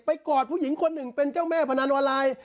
กอดผู้หญิงคนหนึ่งเป็นเจ้าแม่พนันออนไลน์